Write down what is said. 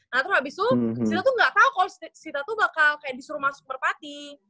nah terus habis itu kita tuh gak tau kalau kita tuh bakal kayak disuruh masuk merpati